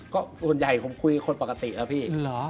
ก็ส่วนใหญ่คุยคนปกติอ่ะพี่